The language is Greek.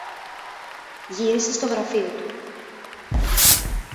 Γύρισε στο γραφείο του